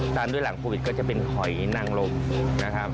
ตามด้วยหลังโควิดก็จะเป็นหอยนางลมนะครับ